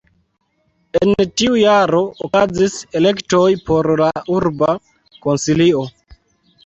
En tiu jaro okazis elektoj por la urba konsilio.